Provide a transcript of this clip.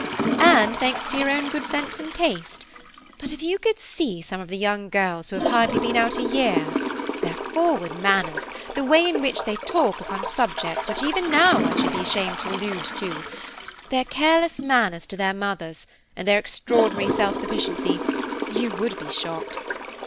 "And thanks to your own good sense and taste; but if you could see some of the young girls who have hardly been out a year! their forward manners, the way in which they talk upon subjects which even now I should be ashamed to allude to–their careless manners to their mothers, and their extraordinary self sufficiency–you would be shocked.